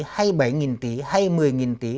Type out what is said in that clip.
hay bảy nghìn tỷ hay một mươi nghìn tỷ